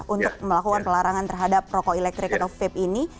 untuk melakukan pelarangan terhadap rokok elektrik atau vape ini